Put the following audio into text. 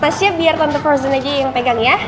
tasnya biar tante pojone aja yang pegang ya